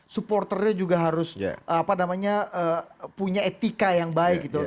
supporternya juga harus punya etika yang baik gitu